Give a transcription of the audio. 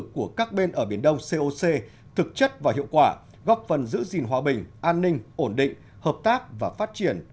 của các bên ở biển đông coc thực chất và hiệu quả góp phần giữ gìn hòa bình an ninh ổn định hợp tác và phát triển